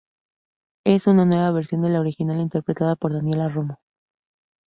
Es una nueva versión de la original interpretada por Daniela Romo.